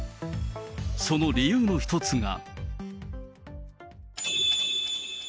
その理由の一つが。